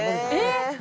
えっ！